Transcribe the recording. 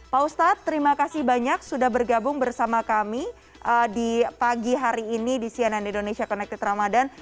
pak ustadz terima kasih banyak sudah bergabung bersama kami di pagi hari ini di cnn indonesia connected ramadhan